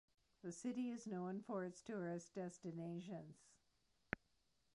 The city is known for its tourist destinations.